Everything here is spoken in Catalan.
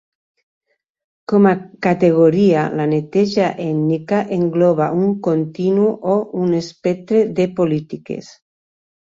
Com a categoria, la neteja ètnica engloba un continu o un espectre de polítiques.